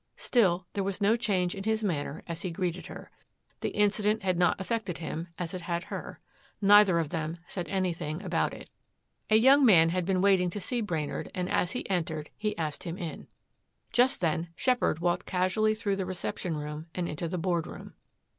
Still, there was no change in his manner as he greeted her. The incident had not affected him, as it had her. Neither of them said anything about it. A young man had been waiting to see Brainard and as he entered he asked him in. Just then Sheppard walked casually through the reception room and into the board room.